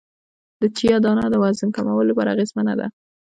د چیا دانه د وزن کمولو لپاره اغیزمنه ده